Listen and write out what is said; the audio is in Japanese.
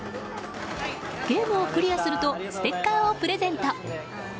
ゲームをクリアするとステッカーをプレゼント。